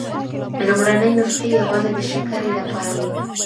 لومړنۍ نسخې یوازې د شکرې لپاره وې.